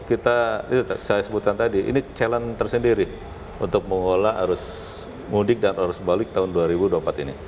kita saya sebutkan tadi ini challenge tersendiri untuk mengolah arus mudik dan arus balik tahun dua ribu dua puluh empat ini